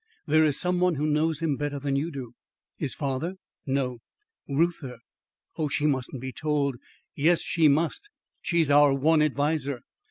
"There is some one who knows him better than you do." "His father?" "No." "Reuther? Oh, she mustn't be told " "Yes, she must. She's our one adviser.